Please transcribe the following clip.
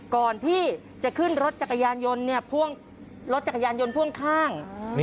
ก่อนที่จะขึ้นรถจักรยานยนต์เนี่ยพ่วงรถจักรยานยนต์พ่วงข้าง